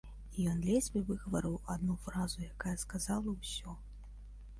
І ён ледзьве выгаварыў адну фразу, якая сказала ўсё.